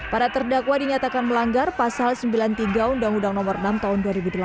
para terdakwa dinyatakan melanggar pasal sembilan puluh tiga undang undang nomor enam tahun dua ribu delapan belas